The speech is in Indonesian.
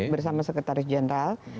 bersama sekretaris jeneral